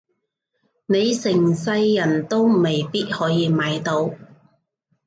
你成世人都未必可以買到